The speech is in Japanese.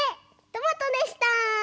トマトでした。